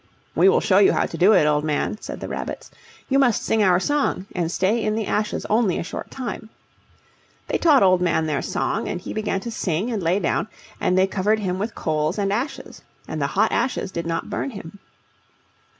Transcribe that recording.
"We will show you how to do it, Old Man," said the rabbits. "You must sing our song, and stay in the ashes only a short time." They taught Old Man their song, and he began to sing and lay down, and they covered him with coals and ashes, and the hot ashes did not burn him.